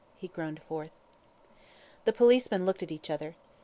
he groaned forth. The policemen looked at each other.